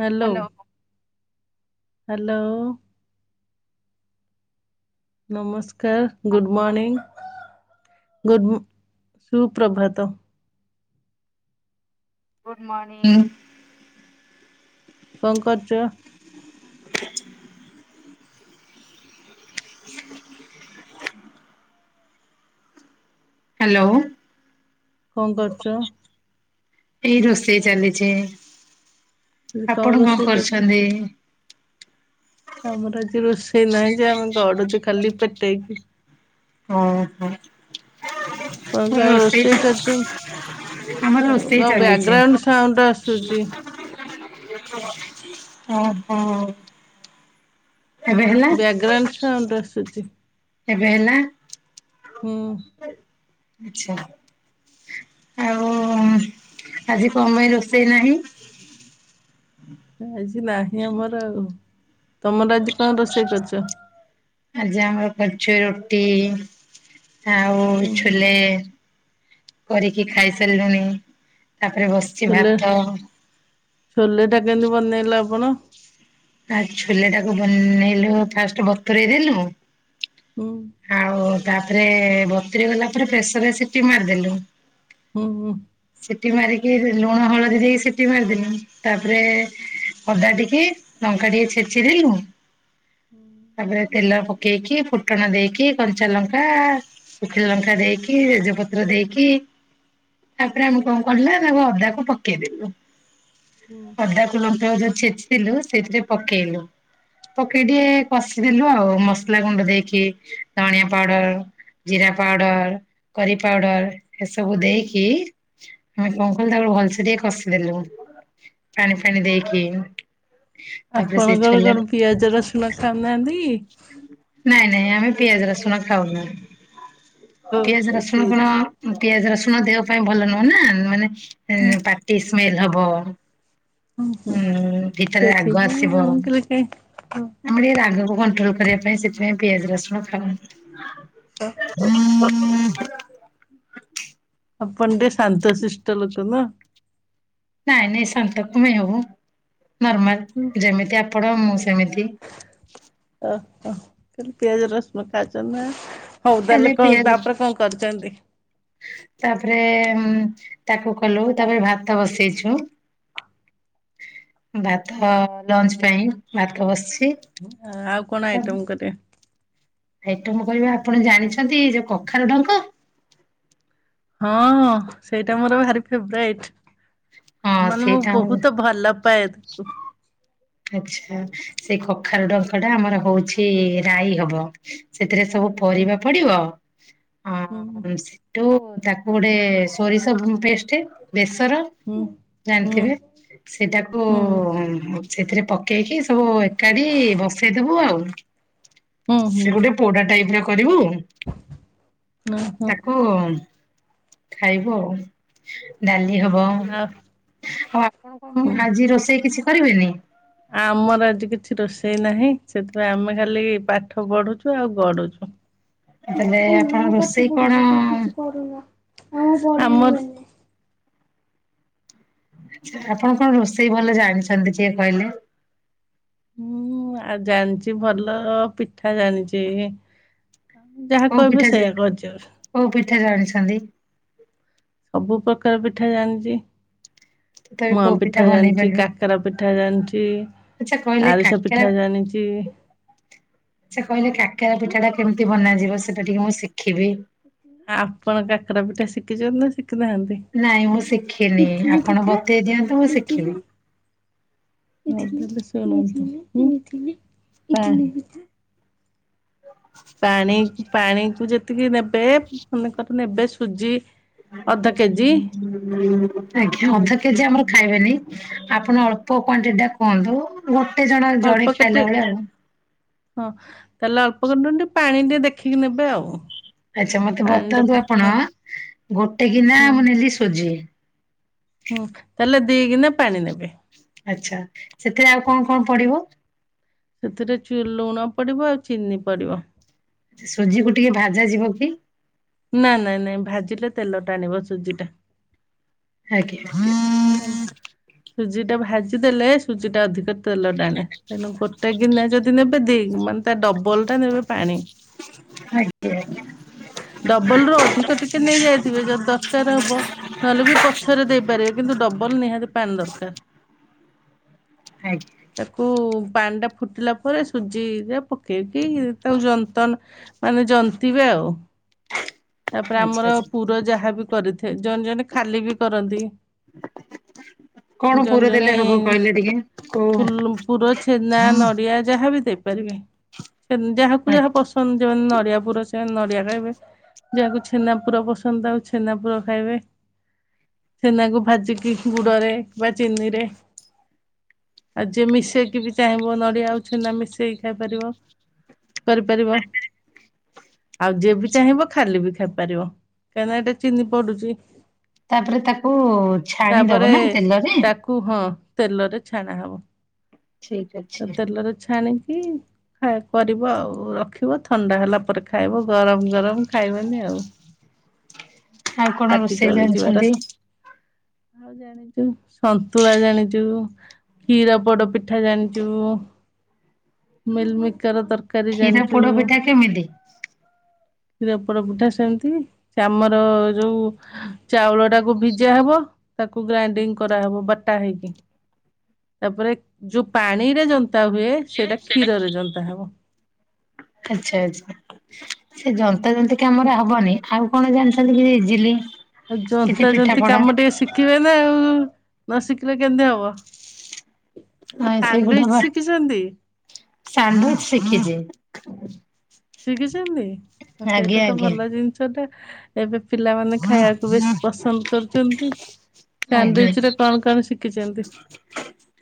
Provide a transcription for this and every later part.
Hello. Hello hello. ନମସ୍କାର good hello morning. Good ସୁପ୍ରଭାତ good morning. କଂ କରୁଚ ହ୍ୟାଲୋ। କଣ କରଛ? ଏଇ ରୋଷେଇ ଚାଲିଛି ଆଜି ଆପଣ କଣ ରୋଷେଇ କରୁଛନ୍ତି? ଅମରାଜ ରୋଷେଇ ନା ଯମେ ଗୋଡଚ ଖାଲି ପଟେ କି ହଁ ହୋଁ। ଆପଣ କଣ ହୁଁ ରୋଷେଇ ସେଇଟା କରିଛନ୍ତି [unintelligible] ଆମର ଆଉ ରୋଷେଇ କଣ ଚାଲିଛି। ବ୍ୟାକଗ୍ରାଉଣ୍ଡ ସାଉଣ୍ଡ ଆସୁଛି ଓ ହୋ। ବ୍ୟାକ୍ଗ୍ରାଉଣ୍ଡ ସାଉଣ୍ଡ ଆସୁଛି। ଏବେ ହେଲା। ହଁ। ଆଛା। ଆଉ ଆଜି କଣ ପାଇଁ ରୋଷେଇ ନାହିଁ? ଆଜି ନାହିଁ ଆମର ଆଉ। ତମର ଆଜି କଣ ରୋଷେଇ କରିଛ? ଆଜି ଆମର କରିଚୁ ରୁଟି ଆଉ ହୁଁ ଛୋଲେ। କରିକି ଖାଇସାରିଲୁଣିି। ଛୋଲେ ଛୋଲେ ଟା କେମିତି ବନେଇଲେ ଆପଣ? ଆଉ ଛୋଲେ ଟାକୁ ବନେଇଲୁ ଫାଷ୍ଟ ବତୁରେଇ ଦେଲୁ। ହୁଁ। ଆଉ ତାପରେ ବତୁରେଇ ଗଲା ପରେ ପ୍ରେସରରେ ସିଟି ମାରିଦେଲୁ। ହୁଁ - ହୁଁ। ସିଟି ମାରିକି ଲୁଣ ହଳଦୀ ଦେଇକି ସିଟି ମାରିଦେନୁ ତାପରେ ଅଦା ଟିକେ ଲଙ୍କା ଟିକେ ଛେଚିଦେଲୁ ହୁଁ ତାପରେ ତେଲ ପକେଇକି ଫୁଟଣ ଦେଇକି କଞ୍ଚା ଲଙ୍କା, ଶୁଖିଲା ଲଙ୍କା ଦେଇକି ପତ୍ର ଦେଇକି ତାପରେ ଆମେ କଣ କଲୁ ନା ତା ଅଦାକୁ ପକେଇଦଲୁ ହୁଁ ଅଦାକୁ ତ ଯୋଉ ଛେଚିଥିଲୁ ସେଥିରେ ପକେଇଲୁ। ପକେଇ ଟିକେ କଷିଦେଲୁ ଆଉ ମସଲା ଗୁଣ୍ଡ ଦେଇକି ଧଣିଆ ପାଉଡର ଜିରା ହୁଁ ପାଉଡର, କରି ପାଉଡର ଏସବୁ ଦେଇକି ଆମେ କଣ ତାପରେ ଭଲ ସେ ଟିକେ କଷିଦେଲୁ ପାଣି ଫାଣି ଦେଇକି। ତାପରେ ସେ ଆପଣଙ୍କର ଛୋଲେ କଣ ପିଆଜ ରସୁଣ ଖାଉ ନାହାନ୍ତି କି? ନାଇଁ ନାଇଁ ଆମେ ପିଆଜ ରସୁଣ ଖାଉନୁ ଓ ପିଆଜ ରସୁଣ କଣ ସେଇଥି ପିଆଜ ରସୁ ଆମ ଦେହ ପାଇଁ ଭଲ ନୁହଁ ନା ମାନେ ହଁ ପାଟି ସ୍ମେଲ ହବ। ହୁଁ ଭିତରେ ରାଗ ସେଥିପାଇଁ ଆସିବ। ଆଉ ମୁଁ କହିଲି କାଇଁ ଓ ଓ ଆମେ ଟିକେ ରାଗକୁ କଣ୍ଟ୍ରୋଲ କରିବା ପାଇଁ ସେ ପିଆଜ ରସୁଣ ଖାଉ ଓ ଆପଣ ଟିକେ ଶାନ୍ତଶିଷ୍ଟ ଲୋକ ନା। ନାଇଁ ନାଇଁ ଶାନ୍ତ କଣ ପାଇଁ ହବୁ। ନର୍ମାଲ ଯେମିତି ଆପଣ ମୁଁ ସେମିତି ଓ କଇଲି ପିଆଜ ରସୁଣ ଖାଉଚ ନା। ହଉ ମାନେ ତାହେଲେ କଣ ପିଆଜ ତାପରେ କଣ କରୁଛନ୍ତି? ତାପରେ ତାକୁ କଲୁ ତାପରେ ଭାତ ବସେଇଛୁ। ଭାତ ଲଞ୍ଚ ପାଇଁ ଭାତ ବସି ଆଉ କଣ ଆଇଟମ କରିବେ? ହେଇଟା ମୁଁ କହିବି ଆପଣ ଜାଣିଛନ୍ତି ଯୋଉ କଖାରୁ ଡଙ୍କ ହଁ ସେଇଟା ମୋର ଭାରି ଫେବରାଇଟ। ହଁ ମାନେ ମୁଁ ସେଇଟା ଆମ ବହୁତ ଭଲ ପାଏ ତାକୁ ଆଛା ସେଇ କଖାରୁ ଡଙ୍କଟା ଆମର ହଉଛି ରାଇ ହବ ସେ ସେଥିରେ ସବୁ ହୁଁ ପରିବା ପଡିବ ଆ ହୁଁ ସେଟୁ ତାକୁ ଗୋଟେ ସୋରିଷ ପେଷ୍ଟ ବେଶ ର ହୁଁ। ହୁଁ ଜାଣିଥିବେ ସେଟାକୁ ହୁଁ ସେଥିରେ ପକେଇକି ସବୁ ଏକାଠି ବସେଇଦବୁ ଆଉ। ହୁଁ ହୁଁ ସେ ଗୋଟେ ପୋଡା ଟାଇପର କରିବୁ। ହୁଁ ହୁଁ। ତାକୁ। ଖାଇବୁ ଆଉ ଡାଲି ହବ ଆଉ ଆପଣ କଣ ଆଜି ରୋଷେଇ କିଛି କରିବେନି? ଆମର ଆଜି କିଛି ରୋଷେଇ ନାହିଁ ସେଥିପାଇଁ ଆମେ ଖାଲି ପାଠ ପଢୁଛୁ ଆଉ ଗଡୁଛୁ। ତାହେଲେ ଆପଣ ରୋଷେଇ କଣ [unintelligible] ଆମର। ଆପଣ କଣ ରୋଷେଇ ଭଲ ଜାଣିଛନ୍ତି ଟିକେ କହିଲେ? ଁ ଆଉ ଜାଣିଛି ଭଲ ପିଠା ଜାଣିଛି ଯାହା କୋଉ କହିବେ ପିଠା ସେଇଆ କରିଛି କୋଉ ପିଠା ଜାଣିଛନ୍ତି ସବୁ ପ୍ରକାର ପିଠା ଜାଣିଛି ତଥାପି ମୁଆ କୋଉ ପିଠା ବନେଇ ଜାଣିଛି ପାରିବେ କାକରା ପିଠା ଜାଣିଛି ଆଚ୍ଛା କହିଲେ ଆଳୁଷ ପିଠା ଜାଣିଛି ସେ କହିଲେ କାକେର ପିଠା ଟା କେମିତି ବନାଯିବ ସେଟା ଟିକେ ମୁଁ ଶିଖିବି ଆପଣ କାକରା ପିଠା ଶିଖିଛନ୍ତି ନା ଶିଖ ଶିଖି ନାହାନ୍ତି ନାଇଁ ମୁଁ ଶିଖିନି ଇଟଲି ଆପଣ ପିଠା ବତେଇ ଦିଅନ୍ତୁ ମୁଁ ଶିଖିବି। ଣ ପାଣିକୁ ଯେତିକି ନେବେ ମନେକର ନେବେ ସୁଜି ଅଧ ଆଞା କେଜି ଅଧ କେଜି ଆମର ଖାଇବେନି ଆପଣ ଅଳ୍ପ କ୍ଵାଣ୍ଟିଟି ଟା କୁହନ୍ତୁ ଗୋଟେ ଜଣ ଅଳ୍ପ ଜଣି କେତେ ଖାଇଲା ଭେଳିଆ ହଁ ତାହେଲେ ଅଳ୍ପ ଖଣ୍ଡ ଟିକେ ପାଣି ଟିକେ ଦେଖିକି ନେବେ ଆଉ ଆଚ୍ଛା ମତେ ପାଣି ଟେ ବତାନ୍ତୁ ଆପଣ ହଁ ଗୋଟେ କିନା ହୁଁ ମୁଁ ନେଲି ସୁୋଜି ହୁଁ ତାହେଲେ ଦିଗୁନା ପାଣି ନେବେ ଆଛା ସେଥିରେ ଆଉ କଣ କଣ ପଡିବ ସେଥିରେ ଲୁଣ ପଡିବ ଆଉ ଚିନି ପଡିବ ସୁଜି କ ଟିକେ ଭାଜ ଯିବ କି ନା ନାଇଁ ନାଇଁ ଭାଜିଲେ ତେଲ ଟା ଆଣିବ ସୁଜି ଟା ଆଜଞ ହ ସୁଜି ଟା ଭାଜି ଦେେଲେ ସୁଜି ଟା ଅଧିକ ତେଲ ଟଡାଣେ ତେଣୁ ଗୋଟେ ଗିନା ଯଦି ନେବେ ଦ ମାନେ ତା ଡବଲ ଟା ନେବେ ପାଣି ଆଜ୍ଞାା ଡବଲ ରୁ ଅଧିକ ଟିକେ ନେଇଯାଇଥିବେ ଯଦି ଦରକାର ହବ ନହେଲେ ବି ପଛରେ ଦେଇପାରିବେ କିନ୍ତୁ ଡବଲ ନିହାତି ପାଣି ଦରକାର ଆଜ୍ଞା ତାକୁ ପାଣି ଟା ଫୁଟିଲା ପରେ ସୁଜିରେ ପକେଇକି ତାକୁ ଯନ୍ତଣ ମାନେ ଯନ୍ତିବେ ଆଉ ତାପରେ ଆଚ୍ଛା ଆମର ଆଚ୍ଛା। ପୁର ଯାହାବ କରିଥାଏ ଜଣେ ଜଣେ ଖାଲି ବି କରନ୍ତି ହଁ କଣ ଜଣେ ପୁର ଜଣେ ଦେଲେ ହବ କହିଲେ ଟିକେ କଉ ହଁ ଯହା ଦେଇପାରିବେ ଯାହାକୁ ଯାହା ଆଜ୍ଞା। ପସନ୍ଦ ଯେତି ନଡିଆ ପୁର ନଡ଼ିଆ ଖାଇବେ ଯାହାକୁ ଛେନା ପୁର ପସନ୍ଦ ଆଉ ଛେନା ପୁର ଖାଇବେ ଛନାକୁ ଭାଜିକି ଗୁଡରେ ବା ଚିନିରେ ଆଉ ଯିଏ ମିଶେଇକି ବି ଚାହିଁବ ନଡିଆ ଅଉ ଛେନା ମିଶେଇକି ଖାଇପାରିବ କରିପାରିବ ଆଉ ଯିଏ ବି ଚାହିଁବ ଖାଲି ବି ଖାଇପାରିବ କାହିଁକିନା ଏଇଟା ଚିନି ପଡୁଛି ତାପରେ ତା ତାପରେ ତାକୁ ହଁ ତେଲରେ ଛାଣା ହବ ଠିକ ତ ଅଛି। ତେଲରେ ଛାଣି କି ଖାଇ କରିବ ଆଉ ରଖିବ ଥଣ୍ଡା ହେଲା ପରେ ଖାଇବ ଗରମ ଗରମ ଖାଇବେ ଆଉ ଆଉ କଣ ପାଟି ରୋଷେଇ ଚଳିଯିବାର ଜାଣିଛନ୍ତି? ସ ଆଉ ଜାଣିଛୁ ସନ୍ତୁଳା ଜାଣିଛୁ କ୍ଷୀର ପୋଡ ପିଠା ଜାଣିଛୁ ମିଲମିକାର ତରକାର କରି କ୍ଷୀର ଜାଣିଛୁ ପୋଡ ପିଠା କେମିତି? କ୍ଷୀର ପୋଡ ପିଠା ସେମିତିମର ଯୋଉ ଚାଉଳ ଟାକୁ ଭିଜା ହବ ତାକୁ ଗ୍ରାଇଣ୍ଡିଙ୍ଗ କରାହବ ବଟା ହେଇକି ତାପରେ ଯୋଉ ପାଣିରେ ଜନ୍ତା ହୁଏ ସେଇଟା କ୍ଷୀରରେ ଜନ୍ତା ହବ ଆଚଛା ଆଚ୍ଛା ସେ ଯନ୍ତତା ଜନ୍ତ କିାମର ହବନି ଆଉ କଣ ଜାଣିଛନ୍ତି କି ଇଜିଲି ଆଉ କିଛି ଜନ୍ତା ପିଠା ଜତି ପଣା କାମ ଟିକେ ଶିଖିବେ ନା ଆଉ ନ ସିକିଲେ କେମିତି ହବ। ନାଇଁ ସେଇ [unintelligible] ସାଣ୍ଡୱିଚ ପା ଶିଖିଛନ୍ତି ସାନୁ ଶିଖିଚି। ଶିଖିଚନ୍ତି ଆ ସେଇଟା ତ ଭଲ ଜିନିଷଟା ଏବେ ପିଲାମାନେ ଖାଇବାକୁ ବେଶୀ ପସନ୍ଦ କରୁଚନ୍ତି। ଆଜ୍ଞା। ସାନଡିୟୁଚରେ କଣ କଣ ଶିଖିଚନ୍ତି?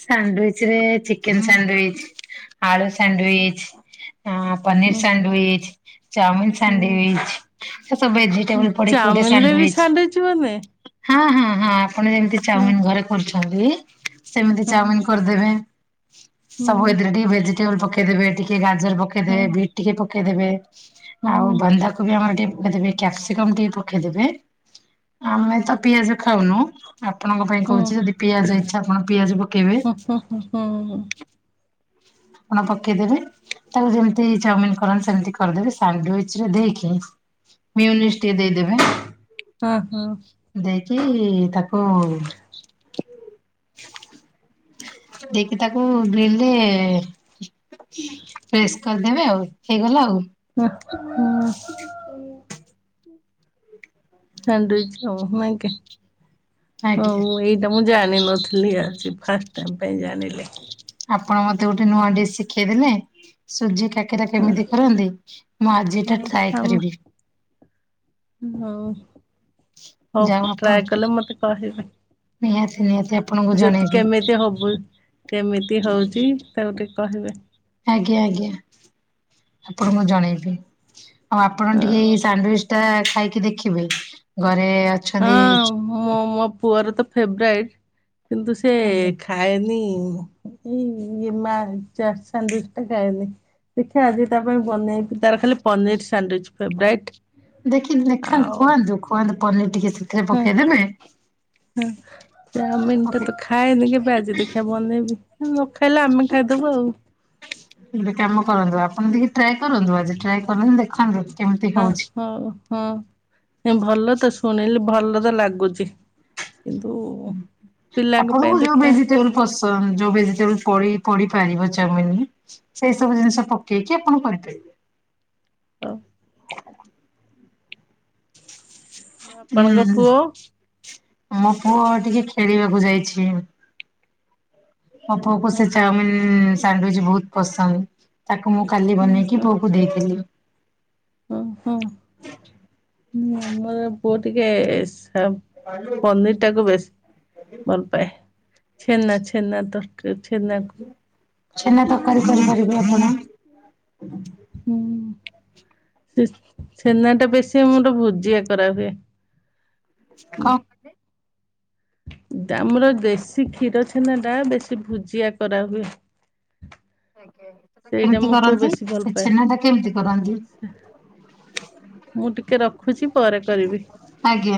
ସାଣ୍ଡଇଚ ରେ ଚିକେନ ସାଣ୍ଡଇଚ, ଆଳୁ ସାଣ୍ଡଇଚ ହଁ ପନିର ହୁଁ ସାଣ୍ଡଇଚ ଚାଉମିିନ ସାଣ୍ଡଇଚ ସବ ହୁଁ ଭେଜିଟେବଲ ପଡିକି ଗୋଟେ ଚାଉମିନ ରେ ସାଣ୍ଡଇଚ। [unintelligible] ହଁ ହଁ ହଁ ଆପଣ ଯେମିତି ଚାଉମିିନ ସାଣ୍ଡୱିଚ ଘରେ କରୁଛନ୍ତି ସେମିତି ଚାଉମିିନ କରିଦେବେ ସବୁ ଏଥିରେ ଟିକେ ଭେଜିଟେବଲ ପକେଇଦବେ ଟିକେ ଗାଜର ପକେଇଦେବେ ବିଟ ଟିକେ ପକେଇଦେବେ ଆଉ ବନ୍ଧାକୁ କୋବି ଆମର ଟିକେ ପକେଇଦେବେ କ୍ୟାପସିକମ୍ ଟିକେ ପକେଇଦେବେ। ଆମେ ତ ପିଆଜ ଖାଉନୁ ଆପଣଙ୍କ ପାଇଁ କହୁଚି ଯଦି ପିଆଜ ଇଚ୍ଛା ଆପଣ ପିଆଜ ପକେଇବେ। ହୁଁ ହୁଁ ହୁଁ ହୁଁ। ଆପଣ ପକେଇଦେବେ ତାକୁ ଯେମିତି ଚାଉମିିନ କରନ୍ତି ସେମିତି କରିଦେବେ ସାଣ୍ଡିଚ ରେ ଦେଇକି। ମନିଶ ଟେ ଦେଇଦେବେ ଦେଇ କି ତାକୁ ଦେଇକି ତାକୁ ବିଲେରେ ପ୍ରେସ୍ କରିଦେବେ ଆଉ ହେଇଗଲା ଆଉ। ସାାଣ୍ଡଇଚ ହେବ ନାହିଁ କି ଆଜ୍ଞା। ଆଉ ଏଇଟା ମୁଁ ଜାଣିନଥିଲି ଆଜି ଫାଷ୍ଟ ଟାଇ ପାଇଁ ଜାଣିଲେ। ଆପଣ ମତେ ଗୋଟେ ନୂଆ ଡିସ୍ ଶିଖେଇ ଦେେଲେ ସୁଜି କା କାକେର କେମିତି କରନ୍ତି ମୁଁ ଆଜିଟା ଟ୍ରାଏ କରିବି। ହଁ ହଉ ଯାଉ ଆପଣ ଟ୍ରାଏ କଲେ ମତେ କହିବେ। ନିହାତି ନିହାତି। ଆପଣଙ୍କୁ ଯଦି ଜଣେଇବି କେମିତି ହବୁ କେମିତି ହଉଛି ତାକୁ ଟିକେ କହିବେ। ଆଜ୍ଞା ଆଜ୍ଞା ଆପଣ ମୁଁ ଜଣେଇବି। ଆଉ ଆପଣ ଟିକେ ଏଇ ସାଣ୍ଡୱିଚ ଟା ଖାଇକି ଦେଖିବେ ଘରେ ହଁ ଅଛନ୍ତି ମୋ ମୋ ପୁଅର ତ ଫେବରାଇଟ। କିନ୍ତୁ ସେ ଆଜ୍ଞା ଖାଏନି। ମା ସନ୍ତୁଷ୍ଟ ଖନି। ଦେଖିବା ଆଜି ତା ପାଇଁ ବନେଇ ତାର ଖାଲି ପନିର ସାଣ୍ଡିଚ ଫେବରାଇଟ୍। ଦେଖି ଲେଖାନ୍ତ ଆଉ ଖୁଆନ୍ତୁ ଖୁଆନ୍ତୁ ପନିର ଟିକେ ସେଥିରେ ହଁ ପକେଇଦେବେ ହଁ ଚାଉମିନ ଟା ପକେଇ ତ ଖାଏନି କେବେ ଆଜି ଦେଖିଆ ବନେଇବି। ନ ଖାଇଲେ ଆମେ ଖାଇଦବୁ ଆଉ। ଗୋଟେ କାମ କରନ୍ତୁ ଆପଣ ଟି ଟ୍ରାଏ କରନ୍ତୁ ଆଜି ଟ୍ରାଏ କରନ୍ତୁ ଦେଖନ୍ତୁ। କେମିତି ହ ହଉଛି। ହଉ ହଁ ଭଲ ତ ଶୁଣିଲି ଭଲ ଲାଗୁଚି। ଆପଣଙ୍କୁ ଯୋଉ ଦେଖିବା ଭେଜିଟେବୁଲ ପସନ୍ଦ ଯୋଉ ଭେଜିଟେବୁଲ ପଡି ପାରିବ ଚାଉମିନ ସେଇ ସବୁ ଜିନିଷ ହଉ ପକେଇକି ଆପଣ କରିପାରିବେ। ହଁ। ଉ ଆପଣଙ୍କ ହୁଁ ପୁଅ? ମୋ ପୁଅ ଟିକେ ଖେଳିବାକୁ ଯାଇଛି। ମୋ ପୁଅକୁ ହଁ ସେ ଚାଉମିିନ ସାଣ୍ଡିଚ ବହୁତ ପସନ୍ଦ। ତାକୁ ମୁଁ କାଲି ବନେଇକି ପୁଅକୁ ଦେଇଥିଲି। ହ ହଁଉଁ। ହୁଁ ମମର ପୁଅ ଟିକେ ଆ ପନିର ଟାକୁ ବେଶୀ ଭଲ ପାଏ ଛେନା ଛେନା ତ ଛେନା ଛେନା କୁ। ତରକାରୀ କରିପାରିବେ ଆପଣ। ସେ ଛେନା ଟା ବେଶୀ ଆମର ଭୂଜିଆ କରାହୁଏ। କଣ କହିଲେ? ଆମର ଦେଶୀ କ୍ଷୀର ଛେନା ଟା ବେଶୀ ଭୁଜିଆ କରାହୁଏ। ଆଜ୍ଞା ସେଟା ସେଇଟା କେମତି ମୋ ପୁଅ କରନ୍ତି ବେଶୀ ଭଲ ସେ ପାଏ ଛେନାଟା କେମିତି କରନ୍ତି? [inaudible] ମୁଁ ଟିକେ ରଖୁଛି ପରେ କରିବି। ଆଜ୍ଞା।